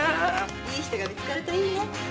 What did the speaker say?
いい人が見つかるといいね。